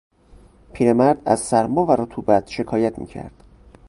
پیرمرد از سرما و رطوبت شکایت میکرد.